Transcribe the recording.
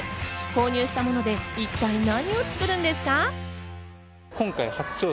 購入したもので一体何を作るんですか？